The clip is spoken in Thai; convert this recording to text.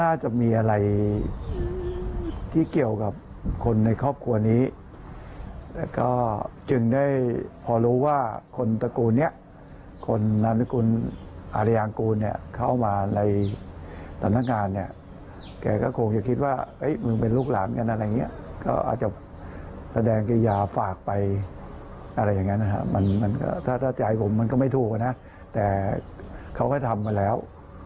อะไรอย่างนั้นถ้าใจผมก็ไม่ถูกนะแต่เขาเขาจะทำกันแล้ว